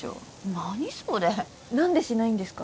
何それ何でシないんですか？